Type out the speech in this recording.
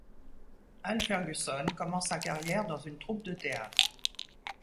Al Ferguson commence sa carrière dans une troupe de théâtre.